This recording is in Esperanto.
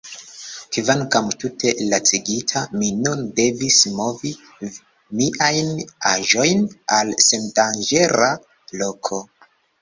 Kvankam tute lacigita, mi nun devis movi miajn aĵojn al sendanĝera loko.